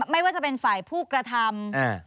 ไม่ว่าจะเป็นฝ่ายผู้กระทำ